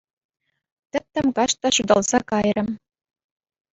Тӗттӗм каҫ та ҫуталса кайрӗ.